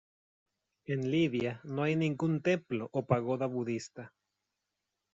En Libia no hay ningún templo o pagoda budista.